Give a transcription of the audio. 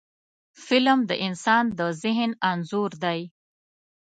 فلم د انسان د ذهن انځور دی